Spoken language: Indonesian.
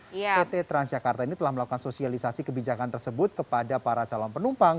pt transjakarta ini telah melakukan sosialisasi kebijakan tersebut kepada para calon penumpang